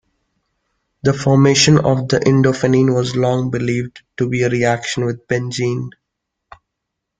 The formation of the indophenin was long believed to be a reaction with benzene.